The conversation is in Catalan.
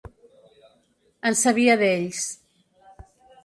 En sabia d’ells.